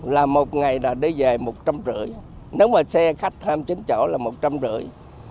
là một ngày là đi dài một trăm linh rưỡi nếu mà xe khách tham chính chỗ là một trăm linh rưỡi